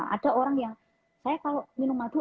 ada orang yang saya kalau minum madu